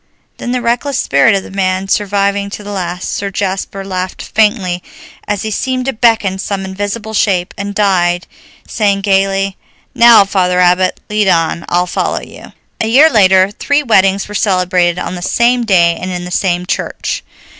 Then, the reckless spirit of the man surviving to the last, Sir Jasper laughed faintly, as he seemed to beckon some invisible shape, and died saying gaily, "Now, Father Abbot, lead on, I'll follow you." A year later three weddings were celebrated on the same day and in the same church.